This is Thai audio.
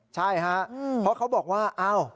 ใช่ค่ะเพราะเขาบอกว่า